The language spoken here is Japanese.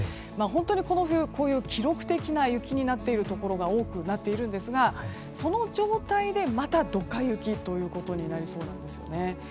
本当にこの冬、記録的な雪になっているところが多くなっているんですがその状態でまたドカ雪となりそうなんです。